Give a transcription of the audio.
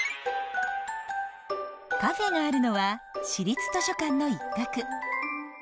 カフェがあるのは市立図書館の一角。